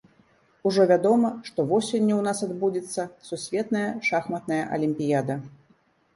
Ужо вядома, што восенню ў нас адбудзецца сусветная шахматная алімпіяда.